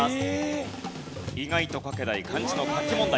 意外と書けない漢字の書き問題。